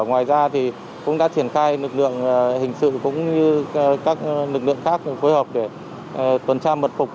ngoài ra thì cũng đã triển khai lực lượng hình sự cũng như các lực lượng khác phối hợp để tuần tra mật phục